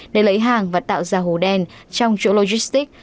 để lấy hàng và tạo ra hồ đen trong chỗ logistic